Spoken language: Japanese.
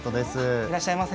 いらっしゃいませ。